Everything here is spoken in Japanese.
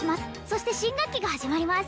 そして新学期が始まります